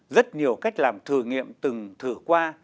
rất nhiều cách làm thử nghiệm từng thử qua